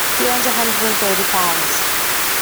He earns a hundred and thirty pounds.